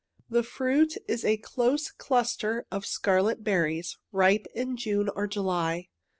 The fruit is a close cluster of scarlet berries —ripe in June or July.